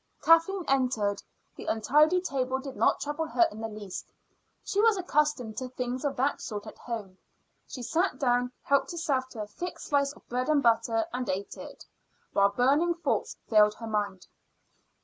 Kathleen entered. The untidy table did not trouble her in the least; she was accustomed to things of that sort at home. She sat down, helped herself to a thick slice of bread and butter, and ate it, while burning thoughts filled her mind.